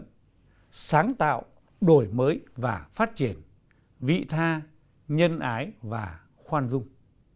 chí thức sáng tạo đổi mới và phát triển vị tha nhân ái và khoan dung